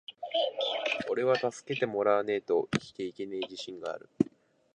｢おれは助けてもらわねェと生きていけねェ自信がある!!!｣